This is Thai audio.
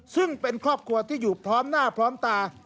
ซึ่งเป็นครอบครัวที่อยู่พร้อมหน้าพร้อมตา